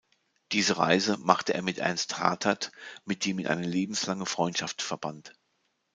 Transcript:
Diese Reise machte er mit Ernst Hartert, mit dem ihn eine lebenslange Freundschaft verband.